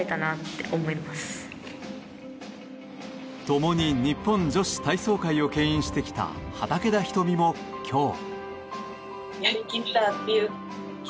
共に日本女子体操界をけん引してきた畠田瞳も今日。